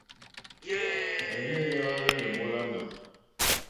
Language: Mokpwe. Òrzìɲɛ́ hwá hwɛ́lɛ̀ èmólánà.